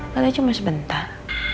padahal cuma sebentar